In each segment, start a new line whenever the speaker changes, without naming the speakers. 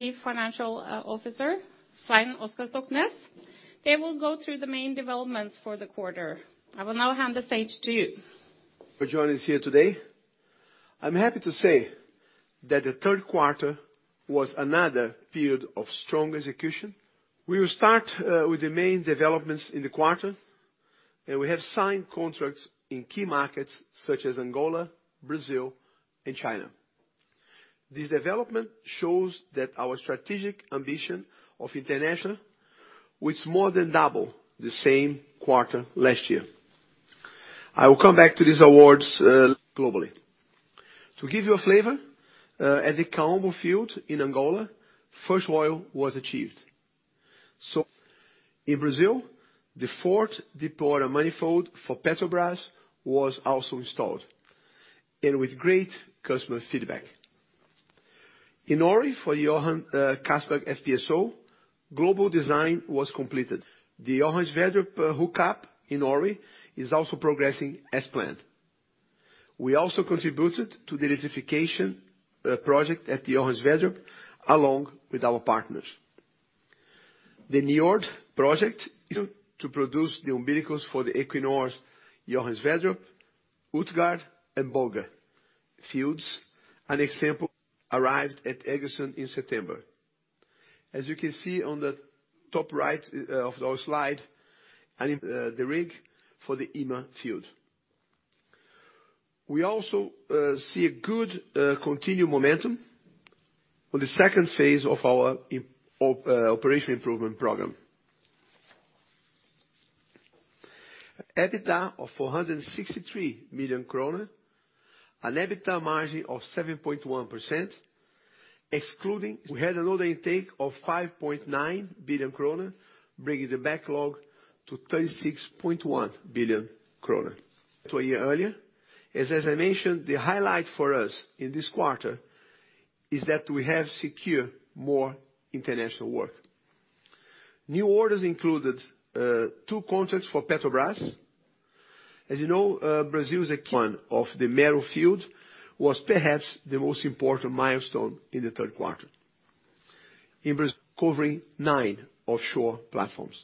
Chief Financial Officer Svein Oskar Stoknes. They will go through the main developments for the quarter. I will now hand the stage to you.
For joining us here today. I'm happy to say that the third quarter was another period of strong execution. We will start with the main developments in the quarter. We have signed contracts in key markets such as Angola, Brazil, and China. This development shows that our strategic ambition of international, which more than double the same quarter last year. I will come back to these awards globally. To give you a flavor, at the Kaombo field in Angola, first oil was achieved. In Brazil, the fourth deepwater manifold for Petrobras was also installed, and with great customer feedback. In Norne for the Johan Castberg FPSO, global design was completed. The Johan Sverdrup hookup in Norne is also progressing as planned. We also contributed to the electrification project at the Johan Sverdrup, along with our partners. The Njord project to produce the umbilicals for the Equinor's Johan Sverdrup, Utgard, and Bauge fields. An example arrived at Egersund in September. As you can see on the top right of our slide, the rig for the Yme field. We also see a good continued momentum on the second phase of our operation improvement program. EBITDA of 463 million kroner and EBITDA margin of 7.1% excluding. We had an order intake of 5.9 billion kroner, bringing the backlog to 36.1 billion kroner. To a year earlier. As I mentioned, the highlight for us in this quarter is that we have secured more international work. New orders included two contracts for Petrobras. As you know, One of the Mero Field was perhaps the most important milestone in the third quarter. covering nine offshore platforms.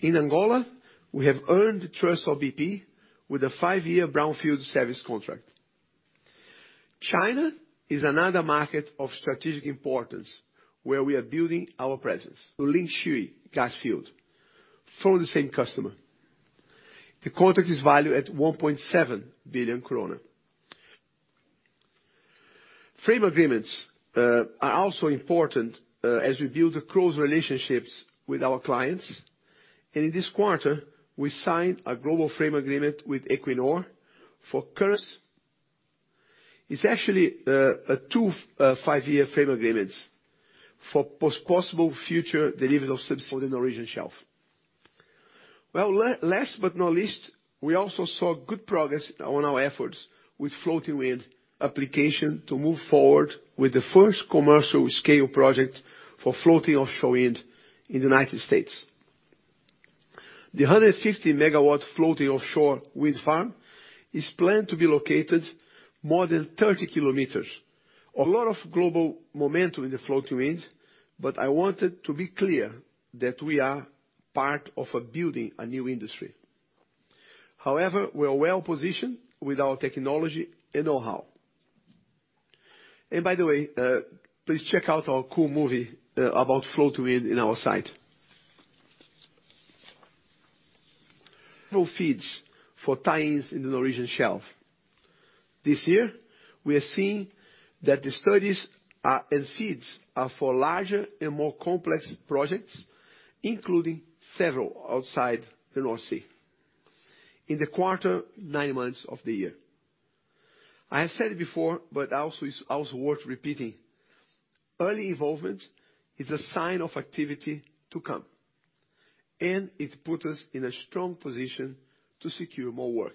In Angola, we have earned the trust of BP with a five-year brownfield service contract. China is another market of strategic importance where we are building our presence. Lingshui Gas Field from the same customer. The contract is valued at 1.7 billion kroner. Frame agreements are also important as we build close relationships with our clients. In this quarter, we signed a global frame agreement with Equinor. It's actually a two, five-year frame agreements for possible future delivery of subsea on the Norwegian Shelf. Well, last but not least, we also saw good progress on our efforts with floating wind application to move forward with the first commercial scale project for floating offshore wind in the United States. The 150 MW floating offshore wind farm is planned to be located more than 30 kilometers. A lot of global momentum in the floating winds, but I wanted to be clear that we are part of a building a new industry. However, we are well-positioned with our technology and know-how. By the way, please check out our cool movie about floating wind in our site. Several FEEDs for tie-ins in the Norwegian Shelf. This year, we are seeing that the studies are, and FEEDs are for larger and more complex projects, including several outside the North Sea. In the quarter, nine months of the year. I have said it before, but also worth repeating. Early involvement is a sign of activity to come, and it puts us in a strong position to secure more work.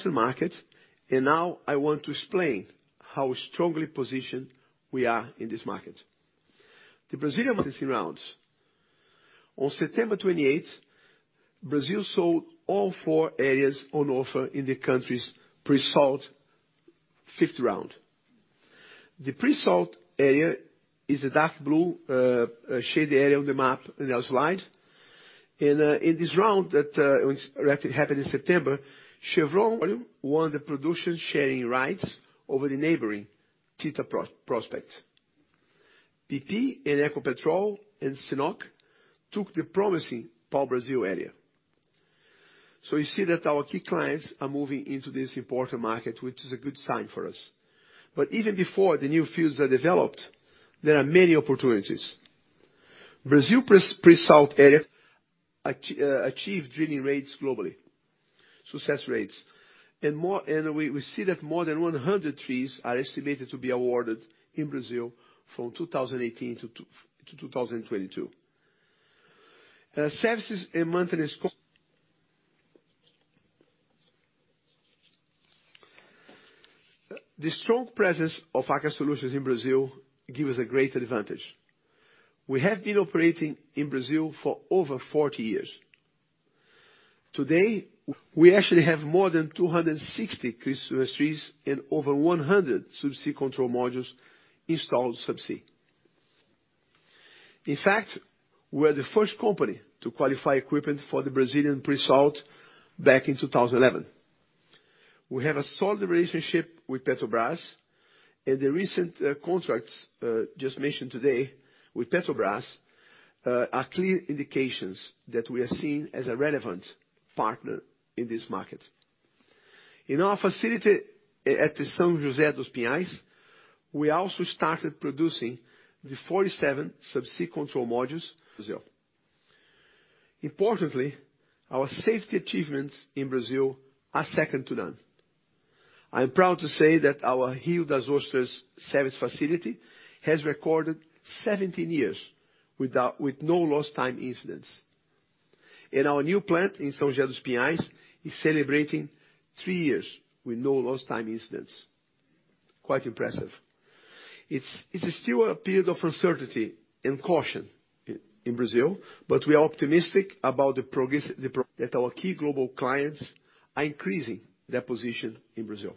To market. Now I want to explain how strongly positioned we are in this market. The Brazilian licensing rounds. On September 28, Brazil sold all four areas on offer in the country's pre-salt 5th round. The pre-salt area is a dark blue shaded area on the map in our slide. In this round that when it happened in September, Chevron won the production sharing rights over the neighboring Tigre prospect. BP and Equinor and CNOOC took the promising Pau-Brasil area. You see that our key clients are moving into this important market, which is a good sign for us. Even before the new fields are developed, there are many opportunities. Brazil pre-salt area achieved drilling rates globally, success rates. More, and we see that more than 100 trees are estimated to be awarded in Brazil from 2018 to 2022. Services and maintenance, the strong presence of Aker Solutions in Brazil give us a great advantage. We have been operating in Brazil for over 40 years. Today, we actually have more than 260 Christmas trees and over 100 subsea control modules installed subsea. In fact, we're the first company to qualify equipment for the Brazilian pre-salt back in 2011. We have a solid relationship with Petrobras, and the recent contracts just mentioned today with Petrobras are clear indications that we are seen as a relevant partner in this market. In our facility at the São José dos Pinhais, we also started producing the 47 subsea control modules. Importantly, our safety achievements in Brazil are second to none. I'm proud to say that our Rio das Ostras service facility has recorded 17 years with no lost time incidents. Our new plant in São José dos Pinhais is celebrating three years with no lost time incidents. Quite impressive. It's still a period of uncertainty and caution in Brazil, but we are optimistic about that our key global clients are increasing their position in Brazil.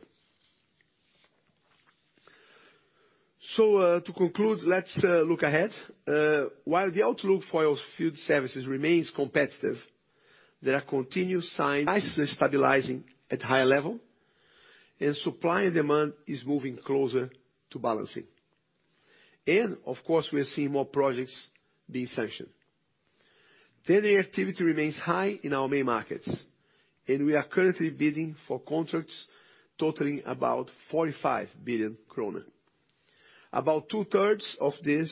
To conclude, let's look ahead. While the outlook for our field services remains competitive, there are continuous signs stabilizing at higher level, and supply and demand is moving closer to balancing. Of course, we are seeing more projects being sanctioned. Tending activity remains high in our main markets, and we are currently bidding for contracts totaling about 45 billion krone. About two-thirds of this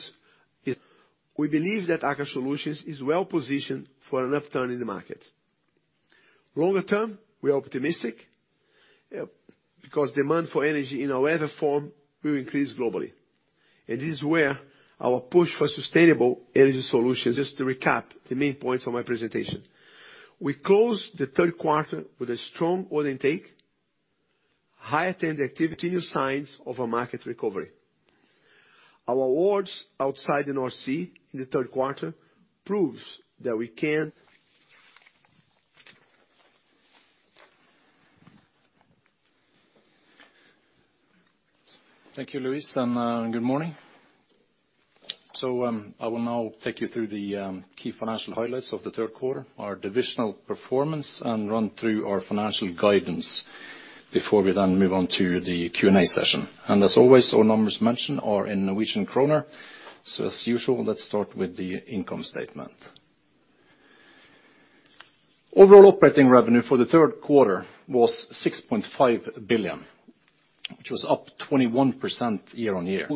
We believe that Aker Solutions is well-positioned for an upturn in the market. Longer term, we are optimistic because demand for energy in whatever form will increase globally. It is where our push for sustainable energy solutions. Just to recap the main points of my presentation. We closed the third quarter with a strong order intake, high activity signs of a market recovery. Our awards outside the North Sea in the third quarter proves that we.
Thank you, Luis. Good morning. I will now take you through the key financial highlights of the third quarter, our divisional performance, and run through our financial guidance before we move on to the Q&A session. As always, all numbers mentioned are in Norwegian kroner. As usual, let's start with the income statement. Overall operating revenue for the third quarter was 6.5 billion, which was up 21% year-on-year.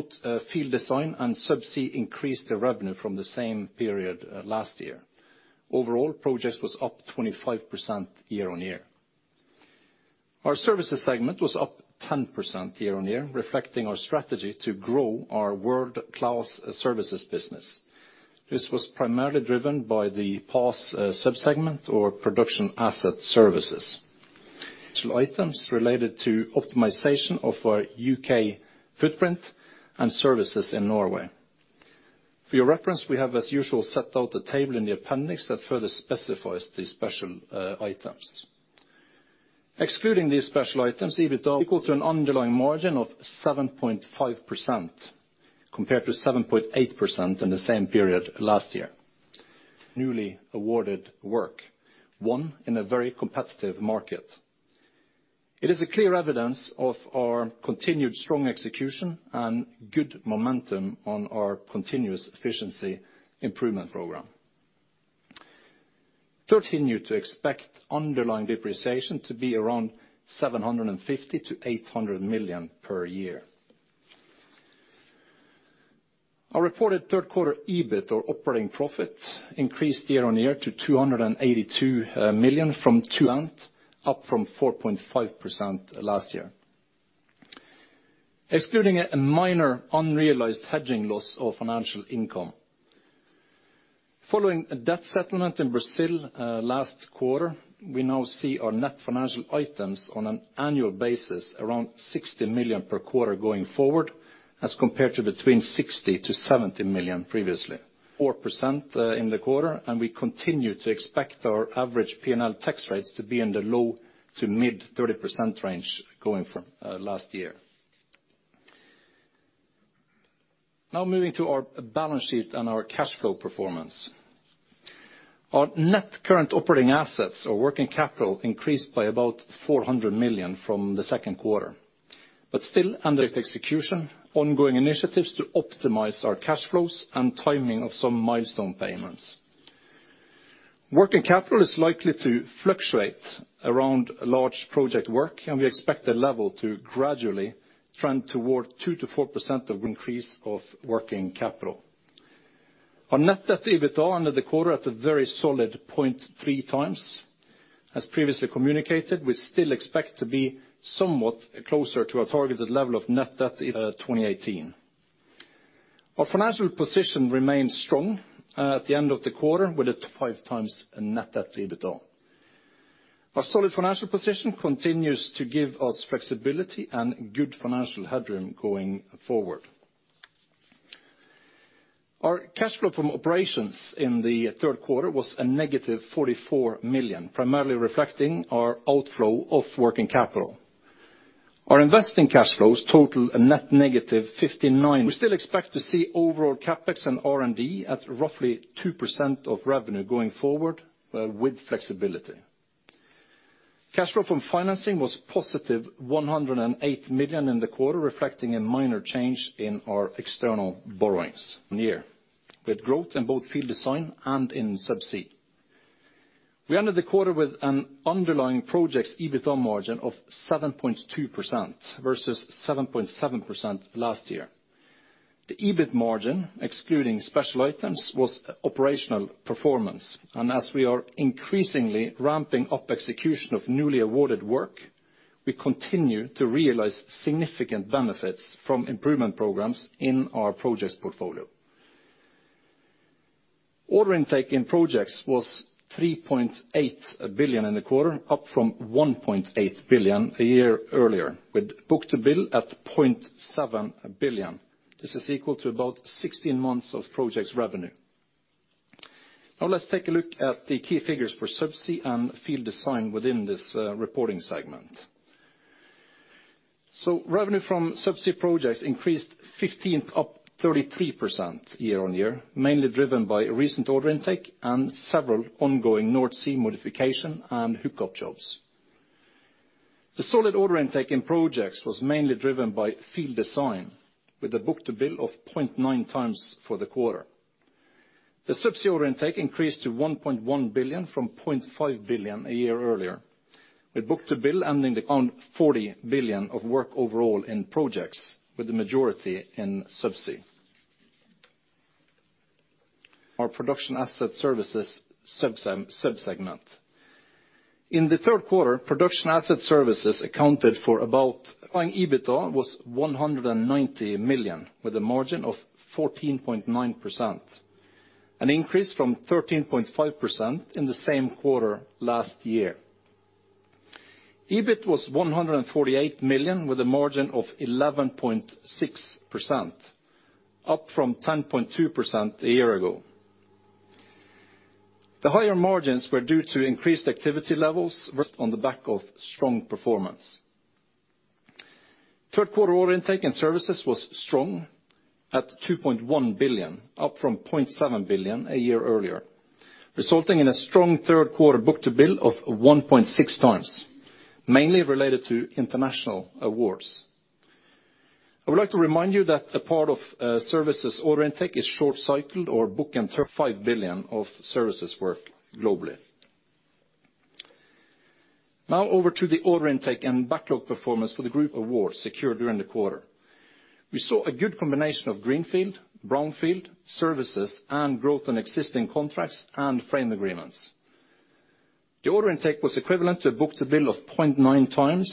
Field Design and subsea increased the revenue from the same period last year. Overall, projects was up 25% year-on-year. Our services segment was up 10% year-on-year, reflecting our strategy to grow our world-class services business. This was primarily driven by the PAS sub-segment or Production Asset Services. Items related to optimization of our U.K. footprint and services in Norway. For your reference, we have, as usual, set out a table in the appendix that further specifies the special items. Excluding these special items, EBITDA equal to an underlying margin of 7.5% compared to 7.8% in the same period last year. Newly awarded work, one in a very competitive market. It is a clear evidence of our continued strong execution and good momentum on our continuous efficiency improvement program. Continue to expect underlying depreciation to be around 750 million-800 million per year. Our reported third quarter EBIT or operating profit increased year on year to 282 million. Up from 4.5% last year. Excluding a minor unrealized hedging loss of financial income. Following a debt settlement in Brazil, last quarter, we now see our net financial items on an annual basis around 60 million per quarter going forward, as compared to between 60 million-70 million previously. 4% in the quarter, we continue to expect our average P&L tax rates to be in the low to mid 30% range going from last year. Now moving to our balance sheet and our cash flow performance. Our net current operating assets or working capital increased by about 400 million from the second quarter. Still under execution, ongoing initiatives to optimize our cash flows and timing of some milestone payments. Working capital is likely to fluctuate around large project work, and we expect the level to gradually trend toward 2%-4% of increase of working capital. Our Net Debt to EBITDA under the quarter at a very solid 0.3x. As previously communicated, we still expect to be somewhat closer to our targeted level of Net Debt to EBITDA 2018. Our financial position remains strong at the end of the quarter, with it five times Net Debt to EBITDA. Our solid financial position continues to give us flexibility and good financial headroom going forward. Our cash flow from operations in the third quarter was a negative 44 million, primarily reflecting our outflow of working capital. Our investing cash flows total a net negative. We still expect to see overall CapEx and R&D at roughly 2% of revenue going forward with flexibility. Cash flow from financing was positive 108 million in the quarter, reflecting a minor change in our external borrowings in year, with growth in both Field Design and in Subsea. We ended the quarter with an underlying projects EBITDA margin of 7.2% versus 7.7% last year. The EBIT margin, excluding special items, was operational performance. As we are increasingly ramping up execution of newly awarded work, we continue to realize significant benefits from improvement programs in our projects portfolio. Order intake in projects was 3.8 billion in the quarter, up from 1.8 billion a year earlier, with book-to-bill at 0.7 billion. This is equal to about 16 months of projects revenue. Let's take a look at the key figures for Subsea and Field Design within this reporting segment. Revenue from Subsea projects increased 15%, up 33% year-on-year, mainly driven by recent order intake and several ongoing North Sea modification and hookup jobs. The solid order intake in projects was mainly driven by Field Design, with a book-to-bill of 0.9x for the quarter. The Subsea order intake increased to 1.1 billion from 0.5 billion a year earlier, with book-to-bill ending around 40 billion of work overall in projects, with the majority in Subsea. Our Production Asset Services subsegment. Underlying EBITDA was 190 million, with a margin of 14.9%, an increase from 13.5% in the same quarter last year. EBIT was 148 million with a margin of 11.6%, up from 10.2% a year ago. The higher margins were due to increased activity levels rest on the back of strong performance. Third quarter order intake in Services was strong at 2.1 billion, up from 0.7 billion a year earlier, resulting in a strong third quarter book-to-bill of 1.6x, mainly related to international awards. I would like to remind you that a part of Services order intake is short cycled or 35 billion of services work globally. Now over to the order intake and backlog performance for the group awards secured during the quarter. We saw a good combination of greenfield, brownfield, services and growth on existing contracts and frame agreements. The order intake was equivalent to a book-to-bill of 0.9x,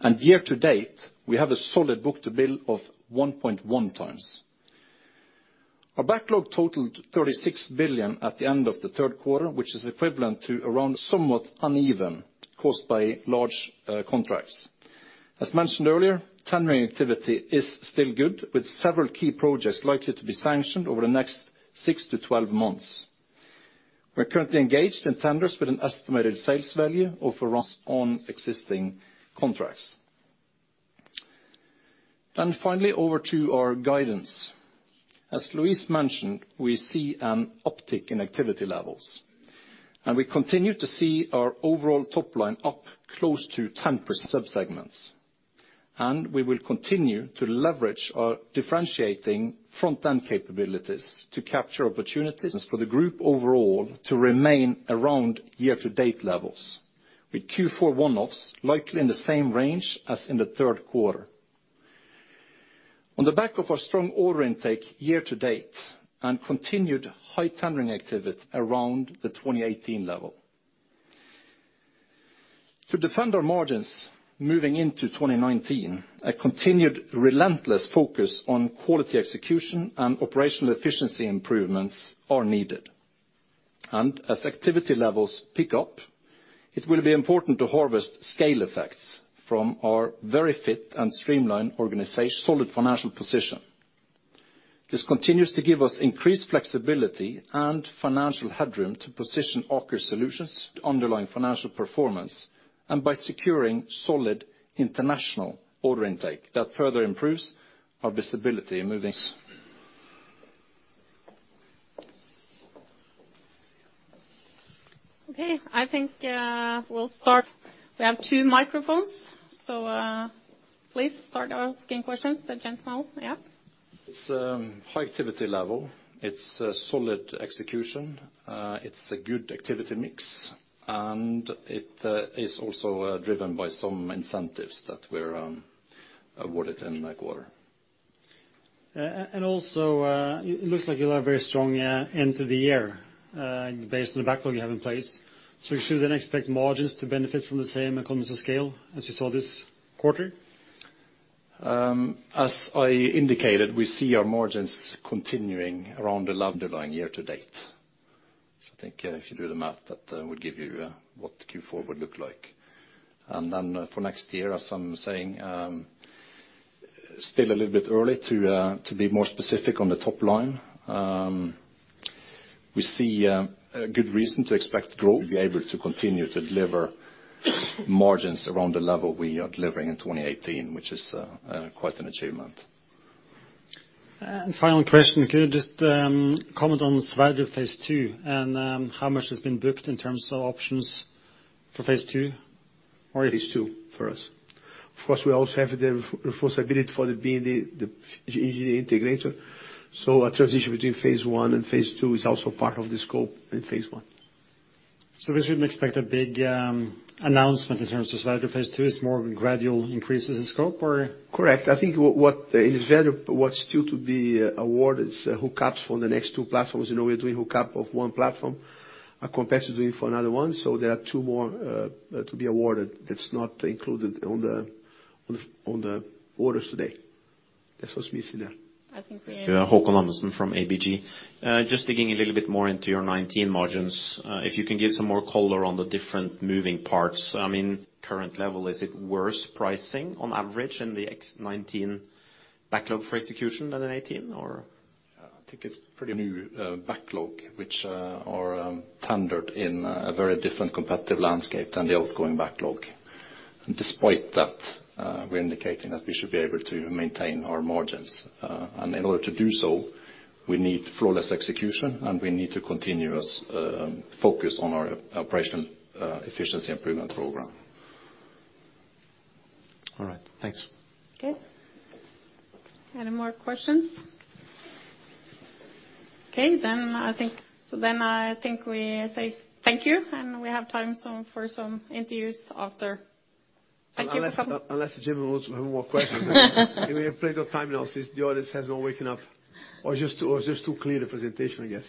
and year to date, we have a solid book-to-bill of 1.1x. Our backlog totaled 36 billion at the end of the third quarter. Somewhat uneven, caused by large contracts. As mentioned earlier, tendering activity is still good, with several key projects likely to be sanctioned over the next 6-12 months. We're currently engaged in tenders with an estimated sales value of around on existing contracts. Finally, over to our guidance. As Luis mentioned, we see an uptick in activity levels, and we continue to see our overall top line up close to 10%. Subsegments. We will continue to leverage our differentiating front-end capabilities to capture opportunities for the group overall to remain around year-to-date levels, with Q4 one-offs likely in the same range as in the third quarter. On the back of our strong order intake year to date and continued high tendering activity around the 2018 level. To defend our margins moving into 2019, a continued relentless focus on quality execution and operational efficiency improvements are needed. As activity levels pick up, it will be important to harvest scale effects from our very fit and streamlined organization solid financial position. This continues to give us increased flexibility and financial headroom to position Aker Solutions to underlying financial performance, and by securing solid international order intake that further improves our visibility.
Okay. I think, we'll start. We have two microphones, so, please start asking questions. The gent now. Yeah.
It's high activity level, it's a solid execution, it's a good activity mix, and it is also driven by some incentives that we're awarded in that quarter.
It looks like you'll have a very strong end to the year, based on the backlog you have in place. Should we then expect margins to benefit from the same economies of scale as you saw this quarter?
As I indicated, we see our margins continuing around the level underlying year to date. I think, if you do the math, that will give you what Q4 would look like. For next year, as I'm saying, still a little bit early to be more specific on the top line. We see a good reason to expect growth, be able to continue to deliver margins around the level we are delivering in 2018, which is quite an achievement.
Final question, could you just comment on the value of phase two and how much has been booked in terms of options for phase I?
Phase II for us. Of course, we also have the responsibility for being the engineer integrator. A transition between phase I and phase II is also part of the scope in phase I.
We shouldn't expect a big, announcement in terms of slide to phase II. It's more gradual increases in scope or?
Correct. I think what is value, what's still to be awarded is hookups for the next two platforms. You know, we're doing hookup of one platform competitively for another one. There are two more to be awarded that's not included on the orders today. That's what we see there.
I think.
Yeah, Haakon Amundsen from ABG. just digging a little bit more into your 19 margins. if you can give some more color on the different moving parts. I mean, current level, is it worse pricing on average in the X 19 backlog for execution than in 18 or?
I think it's pretty new backlog, which are tendered in a very different competitive landscape than the outgoing backlog. Despite that, we're indicating that we should be able to maintain our margins. In order to do so, we need flawless execution, and we need to continuous focus on our operation efficiency improvement program.
All right. Thanks.
Okay. Any more questions? Okay, I think we say thank you, and we have time some, for some interviews after. Thank you for coming.
Unless Jim wants one more question. We have plenty of time now since the others have no waking up or just too clear the presentation, I guess.